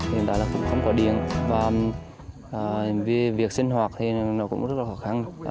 điện tài là không có điện vì việc sinh hoạt thì nó cũng rất là khó khăn